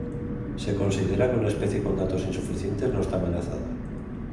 Se considera que una especie con datos insuficientes no está amenazada.